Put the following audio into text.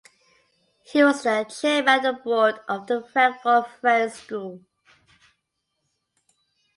He was the Chairman of the Board of the Frankford Friends School.